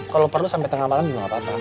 kalo perlu sampe tengah malam juga gapapa